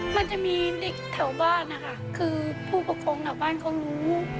มันจะมีเด็กแถวบ้านคือผู้ประคงออกบ้านเขารู้